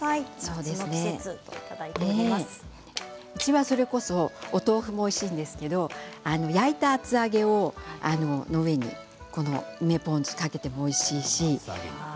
うちは、それこそお豆腐もおいしいですけれど焼いた厚揚げの上に梅ポン酢をかけて食べてもおいしいです。